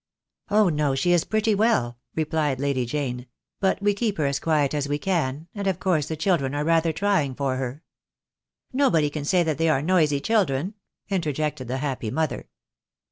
"Oh, no, she is pretty well," replied Lady Jane, "but we keep her as quiet as we can, and of course the children are rather trying for her " "Nobody can say that they are noisy children," interjected the happy mother.